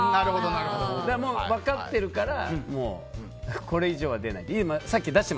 もう、分かっているからこれ以上は出ないって。